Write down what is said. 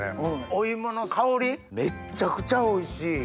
お芋の香りめっちゃくちゃおいしい！